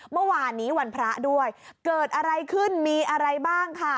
เมื่อวานนี้วันพระด้วยเกิดอะไรขึ้นมีอะไรบ้างค่ะ